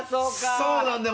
そうなんだよ